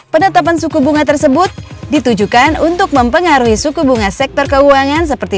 penetapan suku bunga tersebut ditujukan untuk mempengaruhi suku bunga sektor keuangan seperti